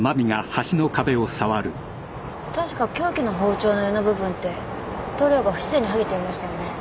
確か凶器の包丁の柄の部分って塗料が不自然にはげていましたよね？